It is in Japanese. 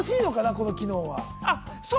この機能は。